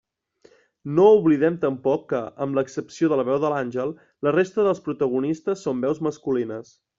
No oblidem tampoc que, amb l'excepció de la veu de l'àngel, la resta dels protagonistes són veus masculines.